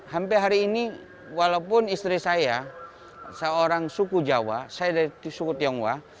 sampai hari ini walaupun istri saya seorang suku jawa saya dari suku tionghoa